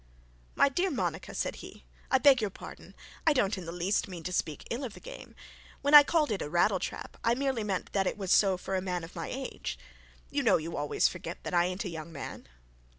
'My dear Monica,' said he, 'I beg your pardon; I don't in the least mean to speak ill of the game. When I called it a rattletrap, I merely meant that it was so for a man of my age. You know you always forget that I an't a young man.'